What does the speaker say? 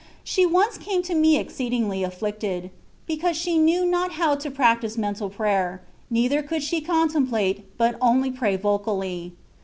She once came to me exceed ingly afflicted, " because she knew not how to practise mental prayer, neither could she con template, but only pray vocally.